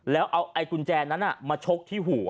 แล้วเอาไอ้กุญแจนั้นมาชกที่หัว